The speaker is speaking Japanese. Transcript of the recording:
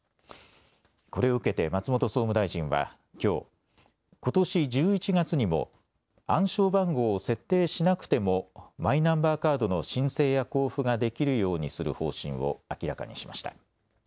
これを受けて松本総務大臣はきょう、ことし１１月にも暗証番号を設定しなくてもマイナンバーカードの申請や交付ができるようにする方針を明らかにしました。